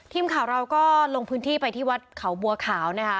ทีมข่าวเราก็ลงพื้นที่ไปที่วัดเขาบัวขาวนะคะ